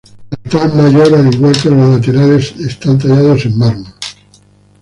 El altar mayor, al igual que los laterales, son tallados en mármol.